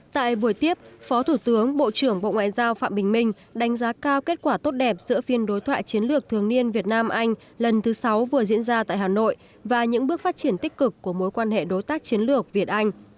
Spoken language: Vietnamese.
tại buổi tiếp phó thủ tướng bộ trưởng bộ ngoại giao phạm bình minh đánh giá cao kết quả tốt đẹp giữa phiên đối thoại chiến lược thường niên việt nam anh lần thứ sáu vừa diễn ra tại hà nội và những bước phát triển tích cực của mối quan hệ đối tác chiến lược việt anh